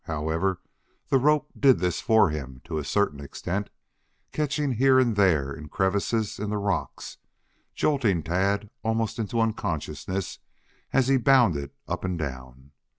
However, the rope did this for him to a certain extent, catching here and there in crevices in the rocks, jolting Tad almost into unconsciousness as he bounded up and down.